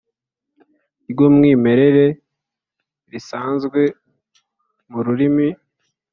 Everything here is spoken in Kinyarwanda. Ryu mwimerere risanzwe mu rurimi